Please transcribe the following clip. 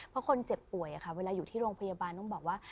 เพราะคนเจ็บป่วยเวลาอยู่ที่โรงพยาบาลต้องบอกว่า